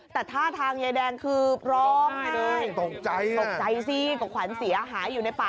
แต่ท่าทางยายแดงคือร้องไห้เลยตกใจตกใจสิกับขวัญเสียหายอยู่ในป่า